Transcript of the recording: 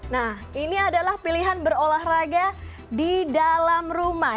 nah ini adalah pilihan berolahraga di dalam rumah